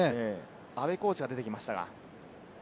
阿部コーチが出てきましたか？